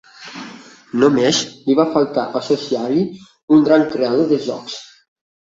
Només li va faltar associar-hi un gran creador de jocs.